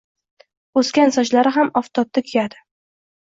O‘sgan sochlari ham oftobda kuyadi.